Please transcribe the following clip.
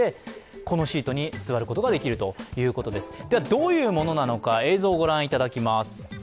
どういうものなのか、映像をご覧いただきます。